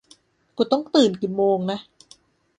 กูต้องตื่นกี่โมงนะ